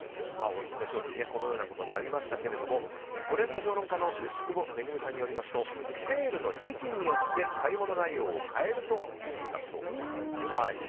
オススメ商品このようなことになりましたがトレンド評論家の牛窪恵さんによりますとセールの時期によって買い物内容を変えるといいんだそうです。